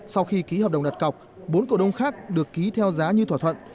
sau khi ký hợp đồng đặt cọc bốn cổ đông khác được ký theo giá như thỏa thuận